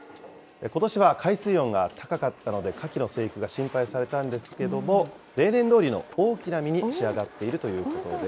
ことしは海水温が高かったのでかきの生育が心配されたんですけども、例年どおりの大きな身に仕上がっているということです。